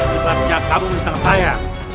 tidak bisa kabur tentang saya